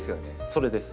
それです。